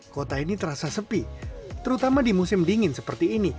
kota ini terasa sepi terutama di musim dingin seperti ini